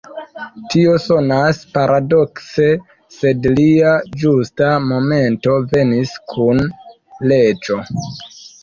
Tio sonas paradokse, sed lia ĝusta momento venis kun leĝo.